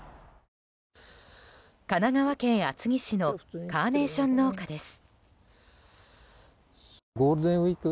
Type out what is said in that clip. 神奈川県厚木市のカーネーション農家です。